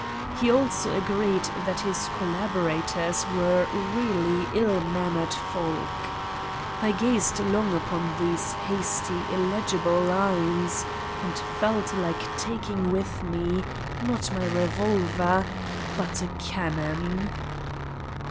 He also agreed that his collaborators are really ill mannered folk. I gazed long upon these hasty illegible lines and felt like taking with me, not my revolver, but a cannon.